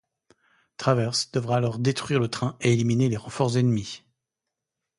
Travers devra alors détruire le train et éliminer les renforts ennemis.